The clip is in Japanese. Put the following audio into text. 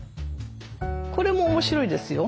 これも面白いですよ。